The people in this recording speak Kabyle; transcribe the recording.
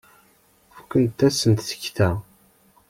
Fukent-asen tekta.